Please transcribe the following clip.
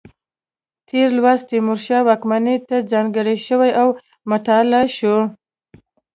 تېر لوست تیمورشاه واکمنۍ ته ځانګړی شوی و او مطالعه شو.